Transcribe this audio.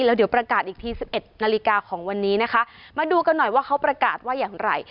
แล้วเดี๋ยวประกาศอีกทีสิบเอ็ดนาฬิกาของวันนี้นะคะมาดูกันหน่อยว่าเขาประกาศว่าอย่างไร